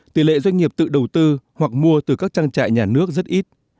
tỷ lệ doanh nghiệp tự đầu tư hoặc mua từ các trang trại nhà nước rất ít